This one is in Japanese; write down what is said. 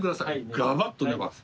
がばっと寝ます。